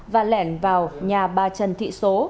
và lẻn vào nhà bà trần thị số